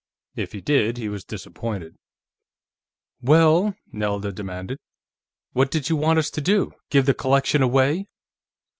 If he did, he was disappointed. "Well?" Nelda demanded. "What did you want us to do; give the collection away?"